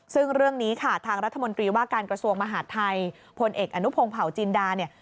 ซึ่งเรื่องนี้ค่ะทางรัฐมนตรีว่าการกระทรวงมหาดไทยพลเอกอนุพงศ์เผาจินดาเนี่ย